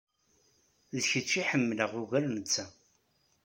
D kečč i ḥemmleɣ ugar netta.